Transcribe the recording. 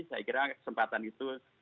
saya kira kesempatan itu